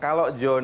saya tidak mengerti